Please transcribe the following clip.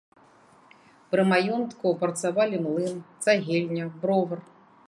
Пры маёнтку працавалі млын, цагельня, бровар.